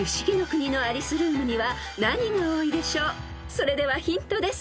［それではヒントです］